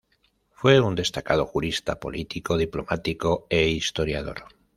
Fue un destacado jurista, político, diplomático e historiador.